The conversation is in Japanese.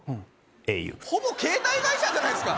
ａｕほぼ携帯会社じゃないっすか